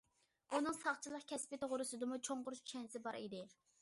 ئۇنىڭ ساقچىلىق كەسپى توغرىسىدىمۇ چوڭقۇر چۈشەنچىسى بار ئىدى.